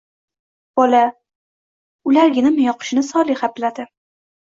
Bola: ularga nima yoqishini Soliha biladi